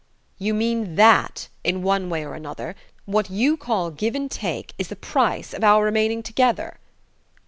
"You mean that in one way or another what you call give and take is the price of our remaining together?"